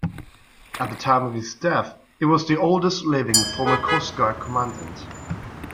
At the time of his death, he was the oldest-living former Coast Guard Commandant.